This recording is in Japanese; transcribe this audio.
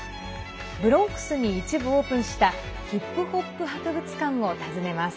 ブロンクスに一部オープンしたヒップホップ博物館を訪ねます。